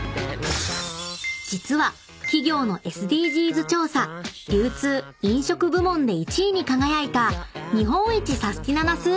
［実は企業のＳＤＧｓ調査流通・飲食部門で１位に輝いた］